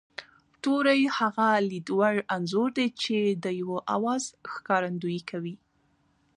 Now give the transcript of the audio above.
توری هغه لید وړ انځور دی چې د یوه آواز ښکارندويي کوي